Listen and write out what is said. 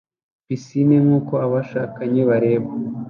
umuhungu arimo kwibira muri pisine nkuko abashakanye bareba